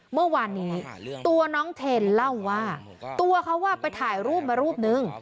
เมื่อวานนี้ตัวน้องเทนเล่าว่าตัวเขาไปถ่ายรูปมารูปนึง